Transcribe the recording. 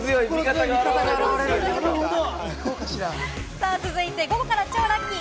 さぁ、続いて午後から超ラッキー！